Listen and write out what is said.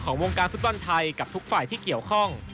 วงการฟุตบอลไทยกับทุกฝ่ายที่เกี่ยวข้อง